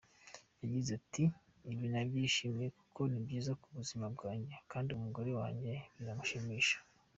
Yagize ati “Ibi nabyishimiye kuko ni byiza ku buzima bwanjye kandi umugore wanjye biramushimisha.